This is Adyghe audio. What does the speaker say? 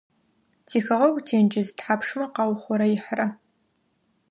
Тихэгъэгу тенджыз тхьапшмэ къаухъурэихьэра?